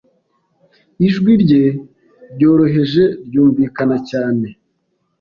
ijwi rye ryoroheje ryumvikana cyane